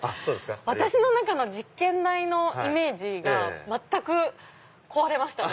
私の中の実験台のイメージが全く壊れました。